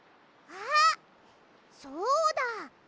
あっそうだ。